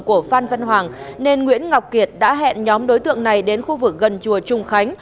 đối tượng của văn văn hoàng nên nguyễn ngọc kiệt đã hẹn nhóm đối tượng này đến khu vực gần chùa trung khánh